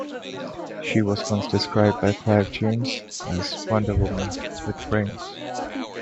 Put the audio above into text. She was once described by Clive James as Wonder Woman with brains.